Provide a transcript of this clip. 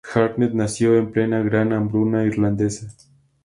Harnett nació en plena Gran hambruna irlandesa.